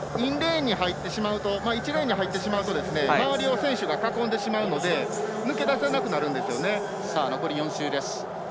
インレーンに入ってしまうと周りを選手が囲んでしまうので抜け出せなくなるんですよね。